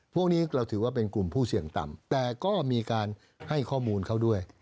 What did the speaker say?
พวกนี้เราถือว่าเป็นกลุ่มผู้เสี่ยงต่ำแต่ก็มีการให้ข้อมูลเขาด้วย